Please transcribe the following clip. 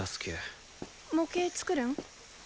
模型作るん？